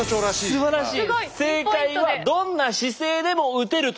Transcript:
すばらしい。